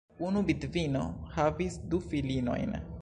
Unu vidvino havis du filinojn.